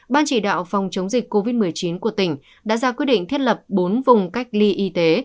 ban chỉ đạo phòng chống dịch covid một mươi chín của tỉnh đã ra quyết định thiết lập bốn vùng cách ly y tế